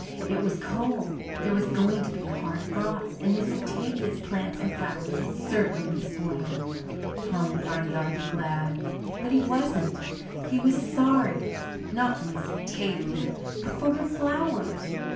It was cold there was going to be a hard frost and Miss Octavia's plants and flowers would certainly be spoiled. Tommy thought he ought to be glad, but he wasn't. He was sorry not for Miss Octavia, but for her flowers.